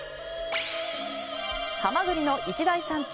ハマグリの一大産地